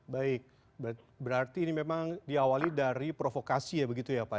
baik berarti ini memang diawali dari provokasi ya begitu ya pak